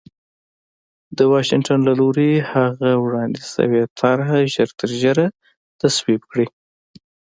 د واشنګټن له لوري هغه وړاندې شوې طرح ژرترژره تصویب کړي